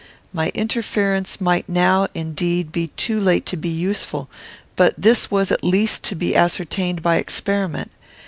My interference might now indeed be too late to be useful; but this was at least to be ascertained by experiment.